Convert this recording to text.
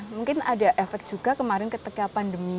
mungkin ada efek juga kemarin ketika pandemi